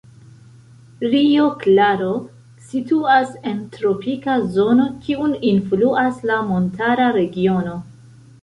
Rio Claro situas en tropika zono, kiun influas la montara regiono.